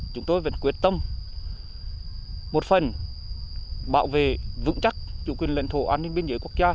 chúng tôi vẫn quyết tâm một phần bảo vệ vững chắc chủ quyền lãnh thổ an ninh biên giới quốc gia